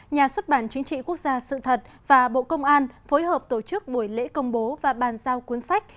nhà xuất bản chính trị quốc gia sự thật và bộ công an phối hợp tổ chức buổi lễ công bố và bàn giao cuốn sách